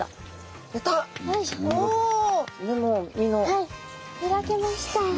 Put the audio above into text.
はい開けました！